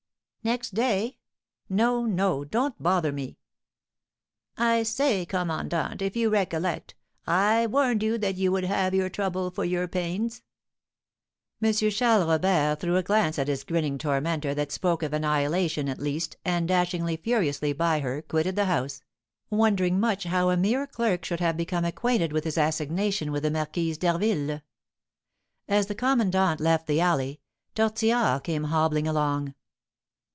"Next day?" "No, no! Don't bother me." "I say, commandant, if you recollect, I warned you that you would have your trouble for your pains." M. Charles Robert threw a glance at his grinning tormentor that spoke of annihilation at least, and, dashing furiously by her, quitted the house, wondering much how a mere clerk should have become acquainted with his assignation with the Marquise d'Harville. As the commandant left the alley, Tortillard came hobbling along.